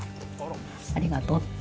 ありがとうって。